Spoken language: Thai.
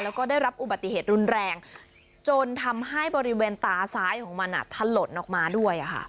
แล้วก็ได้รับอุบัติเหตุรุนแรงจนทำให้บริเวณตาซ้ายของมันถล่นออกมาด้วย